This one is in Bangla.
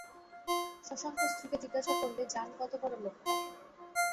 শশাঙ্ক স্ত্রীকে জিজ্ঞাসা করলে, জান কতবড়ো লোকটা।